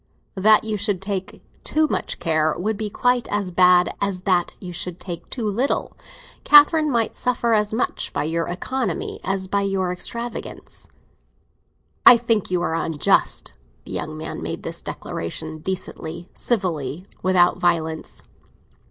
"That you should take too much care would be quite as bad as that you should take too little. Catherine might suffer as much by your economy as by your extravagance." "I think you are very unjust!" The young man made this declaration decently, civilly, without violence.